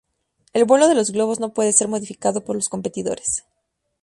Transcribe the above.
El vuelo de los globos no puede ser modificado por los competidores.